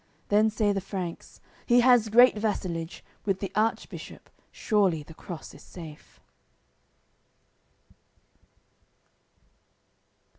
Then say the Franks: "He has great vassalage, With the Archbishop, surely the Cross is safe."